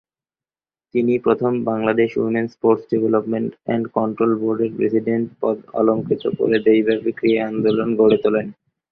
তিনিই প্রথম Bangladesh women's sports development and control বোর্ডের প্রেসিডেন্টের পদ অলংকৃত করে দেশব্যাপী ক্রীড়া আন্দোলন গড়ে তোলেন।